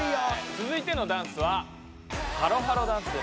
つづいてのダンスはハロハロダンスです。